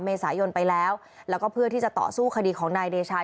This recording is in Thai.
เมษายนไปแล้วแล้วก็เพื่อที่จะต่อสู้คดีของนายเดชา